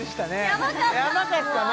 やばかったね